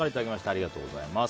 ありがとうございます。